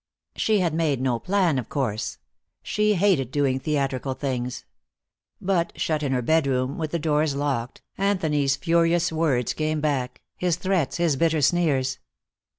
She had made no plan, of course. She hated doing theatrical things. But shut in her bedroom with the doors locked, Anthony's furious words came back, his threats, his bitter sneers.